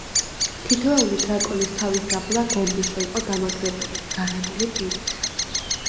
თითეული დრაკონის თავის დაბლა გომბეშო იყო დამაგრებული, გაღებული პირით.